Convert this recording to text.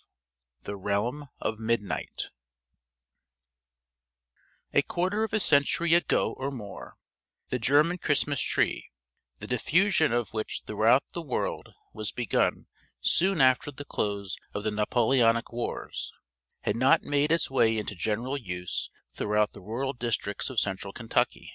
III THE REALM OF MIDNIGHT A QUARTER of a century ago or more the German Christmas Tree the diffusion of which throughout the world was begun soon after the close of the Napoleonic wars had not made its way into general use throughout the rural districts of central Kentucky.